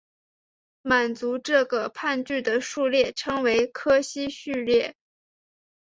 满足这个判据的数列称为柯西序列。